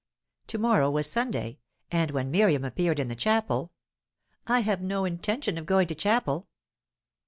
To morrow was Sunday, and when Miriam appeared in the chapel "I have no intention of going to chapel."